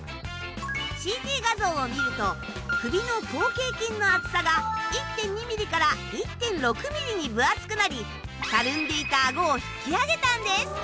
ＣＴ画像を見ると首の広頸筋の厚さが１．２ｍｍから１．６ｍｍに分厚くなりたるんでいた顎を引き上げたんです。